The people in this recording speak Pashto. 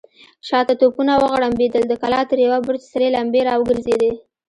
شاته توپونه وغړمبېدل، د کلا تر يوه برج سرې لمبې را وګرځېدې.